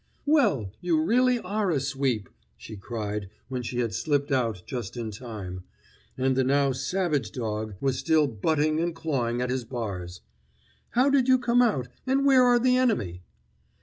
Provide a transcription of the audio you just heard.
"Well, you really are a Sweep!" she cried when she had slipped out just in time, and the now savage dog was still butting and clawing at his bars. "How did you come out, and where are the enemy?"